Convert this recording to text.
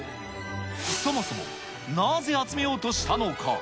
そもそもなぜ集めようとしたのか。